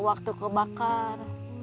waktu kebakar itu ya mak